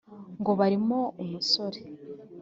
ngo: barimo umusore